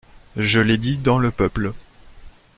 Je l'ai dit dans le Peuple.